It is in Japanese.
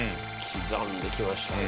刻んできましたね。